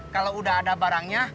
kalo udah ada barangnya